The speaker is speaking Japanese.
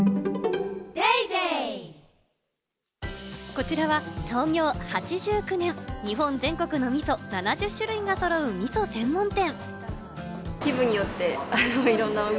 こちらは創業８９年、日本全国のみそ７０種類がそろう、みそ専門店。